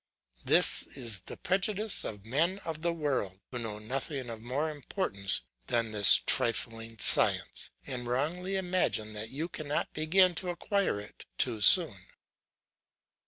This is the prejudice of men of the world, who know nothing of more importance than this trifling science, and wrongly imagine that you cannot begin to acquire it too soon.